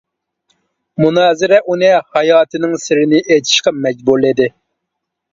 مۇنازىرە ئۇنى ھاياتىنىڭ سىرىنى ئېچىشقا مەجبۇرلىدى.